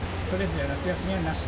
夏休みはなし？